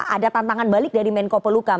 ada tantangan balik dari menko polukam